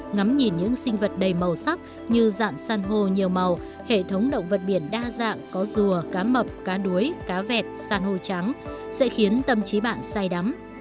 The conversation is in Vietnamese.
ngắm nhìn những sinh vật đầy màu sắc như dạng san hô nhiều màu hệ thống động vật biển đa dạng có rùa cá mập cá đuối cá vẹt san hô trắng sẽ khiến tâm trí bạn say đắm